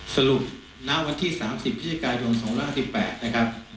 สรุปณวันที่สามสิบพิจากรรมสองหรือห้าสิบแปดนะครับ